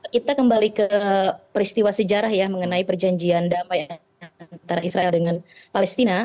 kita kembali ke peristiwa sejarah ya mengenai perjanjian damai antara israel dengan palestina